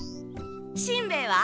しんべヱは？